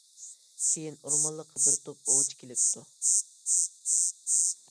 كېيىن، ئورمانلىققا بىر توپ ئوۋچى كېلىپتۇ.